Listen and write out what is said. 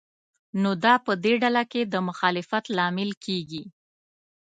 نو دا په دې ډله کې د مخالفت لامل کېږي.